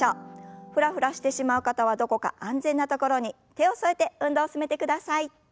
フラフラしてしまう方はどこか安全な所に手を添えて運動を進めてください。